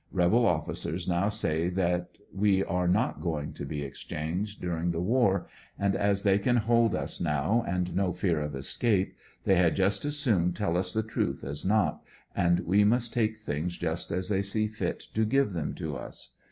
Rebel officers now say that we are not going to be exchanged during the war, and as they can hold us now and no fear of escape, they had just as soon tell us the truth as not, and we must take things just as they see fit to give them to us.